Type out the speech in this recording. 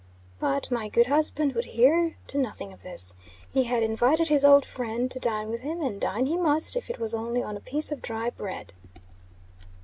But my good husband would hear to nothing of this. He had invited his old friend to dine with him; and dine he must, if it was only on a piece of dry bread.